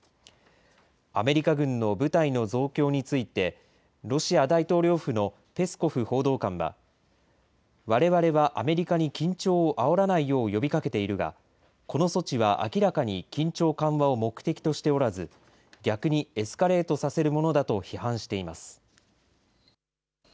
アメリカ軍の部隊の増強について、ロシア大統領府のペスコフ報道官は、われわれはアメリカに緊張をあおらないよう呼びかけているが、この措置は明らかに緊張緩和を目的としておらず、逆にエスカレートさせるものだと批判しています。